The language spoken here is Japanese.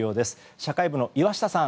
社会部の岩下さん